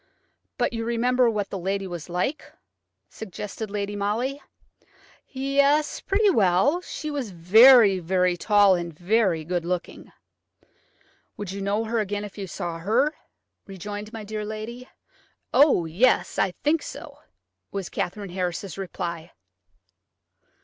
"But you remember what the lady was like?" suggested Lady Molly. "Yes, pretty well. She was very, very tall, and very good looking." "Would you know her again if you saw her?" rejoined my dear lady. "Oh, yes; I think so," was Katherine Harris's reply.